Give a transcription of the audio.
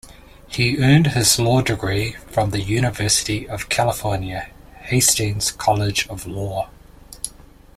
He earned his law degree from the University of California, Hastings College of Law.